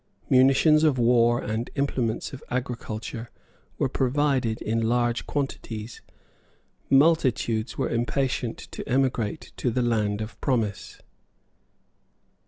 Munitions of war and implements of agriculture were provided in large quantities. Multitudes were impatient to emigrate to the land of promise.